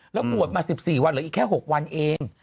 แล้วบวชมา๑๔วันเหลืออีกแค่๖วันเอง